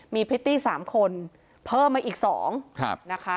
มีพริตตี้๓คนเพิ่มมาอีก๒นะคะ